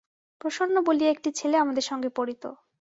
প্রসন্ন বলিয়া একটি ছেলে আমার সঙ্গে পড়িত।